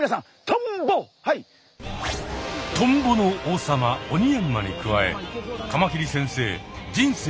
トンボの王様オニヤンマに加えカマキリ先生